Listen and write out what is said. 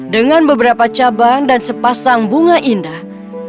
dengan beberapa cabang dan sepasang bunga indah